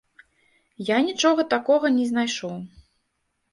Я нічога такога не знайшоў.